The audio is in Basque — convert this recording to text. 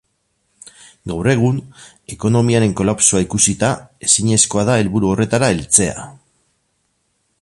Gaur egun, ekonomiaren kolapsoa ikusita ezinezkoa da helburu horretara heltzea.